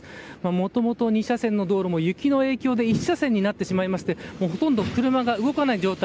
もともと２車線の道路も雪の影響で１車線になってしまいまして、もうほとんど車が動かない状態。